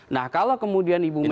nah kalau kemudian ibu mega